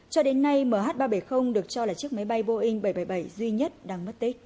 cho đến nay mh ba trăm bảy mươi được cho là chiếc máy bay boeing bảy trăm bảy mươi bảy duy nhất đang mất tích